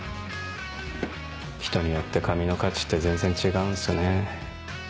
人によって紙の価値って全然違うんですね。